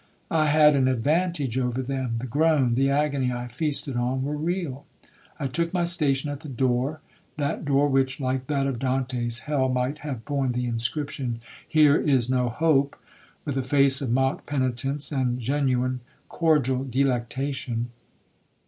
I had an advantage over them,—the groan, the agony I feasted on, were real. I took my station at the door—that door which, like that of Dante's hell, might have borne the inscription, 'Here is no hope,'—with a face of mock penitence, and genuine—cordial delectation.